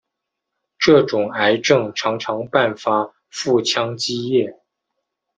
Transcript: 这种癌症常常伴发腹腔积液。